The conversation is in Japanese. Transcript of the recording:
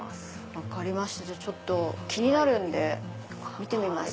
分かりました気になるんで見てみます。